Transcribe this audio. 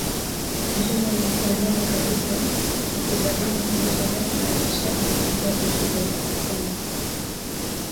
heshima nikiamini kabisa na kujiamini kuhusu hatma ya nchi yangu kuliko kuishi kwenye utumwa